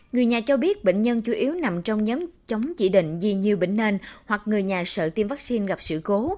người nhà cho biết bệnh nhân chủ yếu nằm trong nhóm chống chỉ định vì nhiều bệnh nền hoặc người nhà sợ tiêm vaccine gặp sự cố